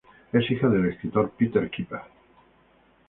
Es hija del escritor Peter Keeper.